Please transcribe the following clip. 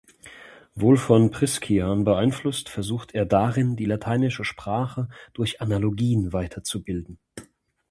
Wohl von Priscian beeinflusst, versucht er darin die lateinische Sprache durch Analogien weiterzubilden.